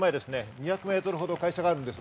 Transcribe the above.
２００ｍほどで会社があります。